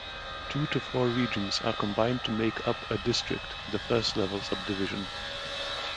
Two to four regions are combined to make up a district, the first-level subdivision.